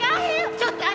ちょっと！